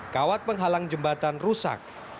kawat menghalang jembatan rusak